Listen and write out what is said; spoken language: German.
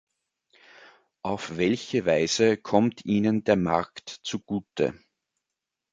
Auf welche Weise kommt ihnen der Markt zugute?